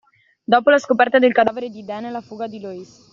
Dopo la scoperta del cadavere di Dan e la fuga di Loïs